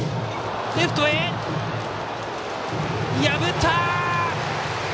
破った！